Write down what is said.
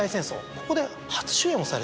ここで初主演をされて。